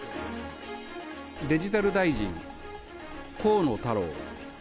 デジタル大臣、河野太郎。